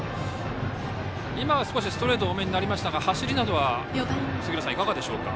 今、少しストレート多めになりましたが走りなどはいかがでしょうか。